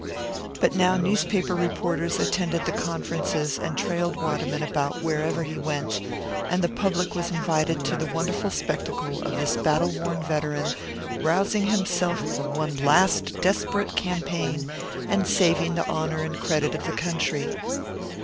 But now newspaper reporters attended the conferences and trailed Waterman about wherever he went, and the public was invited to the wonderful spectacle of this battle worn veteran, rousing himself for one last desperate campaign and saving the honour and credit of the country.